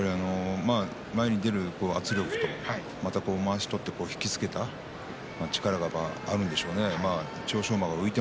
前に出る圧力とまわしを引き付けた力があるんでしょうね。